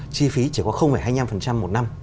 chi phí chỉ có hai mươi năm một năm